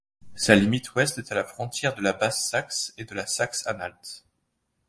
Sa limite ouest est à la frontière de la Basse-Saxe et de la Saxe-Anhalt.